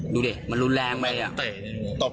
ดูดิมันรุนแรงไปอ่ะ